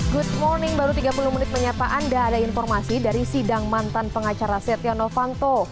good morning baru tiga puluh menit penyataan dan ada informasi dari sidang mantan pengacara setia novanto